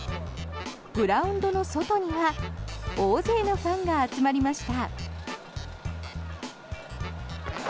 グラウンドの外には大勢のファンが集まりました。